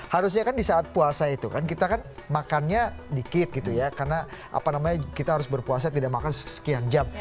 harusnya kan di saat puasa itu kan kita kan makannya dikit gitu ya karena apa namanya kita harus berpuasa tidak makan sekian jam